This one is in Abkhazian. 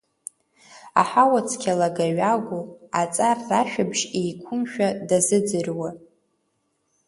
Аҳауа цқьа лагаҩаго, аҵар рашәабжь еиқәымшәа дазыӡырҩуа.